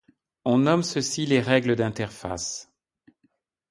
On nomme ceci les règles d’interface.